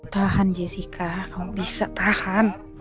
tahan jessica kamu bisa tahan